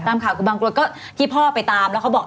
ตามข่าวคือบางกรวยก็ที่พ่อไปตามแล้วเขาบอก